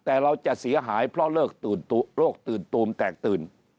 แต่เราจะเสียหายเพราะเลิกโรคตื่นตูมแตกตื่น